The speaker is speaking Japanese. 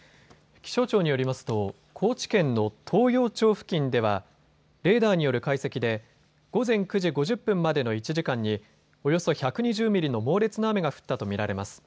気象庁によりますと高知県の東洋町付近ではレーダーによる解析で午前９時５０分までの１時間におよそ１２０ミリの猛烈な雨が降ったと見られます。